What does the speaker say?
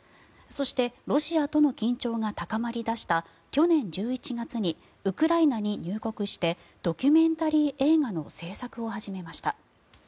そしてロシアとの緊張が高まりだした去年１１月にウクライナに入国してドキュメンタリー映画の制作を始めました。